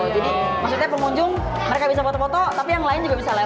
jadi maksudnya pengunjung mereka bisa foto foto tapi yang lain juga bisa lewat